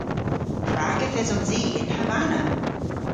Prag yth esons i yn Havana?